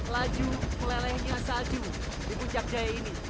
laju melelehnya salju di puncak jaya ini